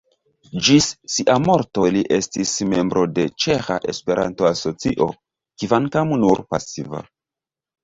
Ĝis sia morto li estis membro de Ĉeĥa Esperanto-Asocio, kvankam nur pasiva.